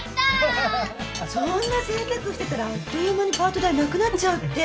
そんなぜいたくしてたらあっという間にパート代なくなっちゃうって。